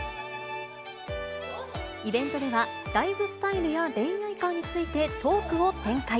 イベントでは、ライフスタイルや恋愛観についてトークを展開。